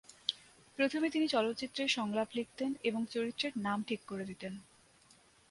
প্রথমে তিনি চলচ্চিত্রের সংলাপ লিখতেন এবং চরিত্রের নাম ঠিক করে দিতেন।